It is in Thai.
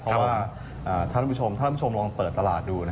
เพราะว่าท่านผู้ชมลองเปิดตลาดดูนะครับ